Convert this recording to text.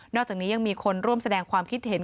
อกจากนี้ยังมีคนร่วมแสดงความคิดเห็น